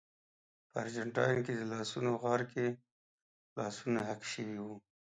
په ارجنټاین کې د لاسونو غار کې لاسونه حک شوي وو.